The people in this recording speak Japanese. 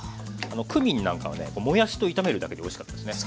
クミンなんかはねもやしと炒めるだけでおいしかったですね。